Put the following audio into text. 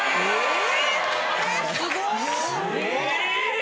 え！